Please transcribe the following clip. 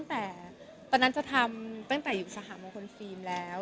ตอนนั้นจะทำอยู่สหรัฐมาผลฟรีมแล้ว